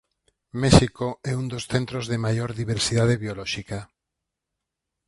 México é un dos centros de maior diversidade biolóxica.